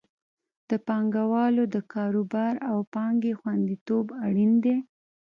د پانګوالو د کاروبار او پانګې خوندیتوب اړین دی.